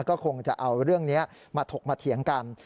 ก็คงจะเอาเรื่องนี้มาถกมาเถียงกัน